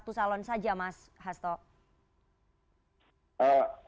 dimunculkan hanya satu calon saja mas sasto